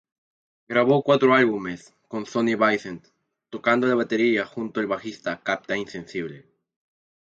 Grabó cuatro álbumes con Sonny Vincent, tocando la batería junto al bajista Captain Sensible.